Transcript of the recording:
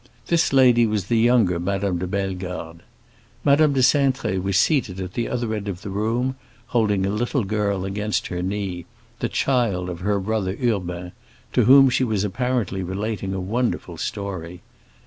This lady was the younger Madame de Bellegarde. Madame de Cintré was seated at the other end of the room, holding a little girl against her knee, the child of her brother Urbain, to whom she was apparently relating a wonderful story.